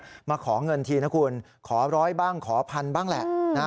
ก็มาขอเงินทีนะคุณขอร้อยบ้างขอพันบ้างแหละนะฮะ